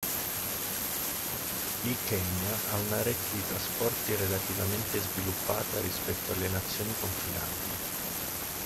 Il Kenya ha una rete di trasporti relativamente sviluppata rispetto alle nazioni confinanti.